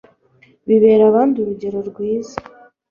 bibera abandi urugero rwiza